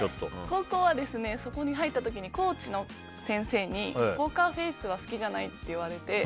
高校は、そこに入った時にコーチの先生にポーカーフェースは好きじゃないと言われて。